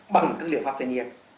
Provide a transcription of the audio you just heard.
bằng các liệu pháp thiên nhiên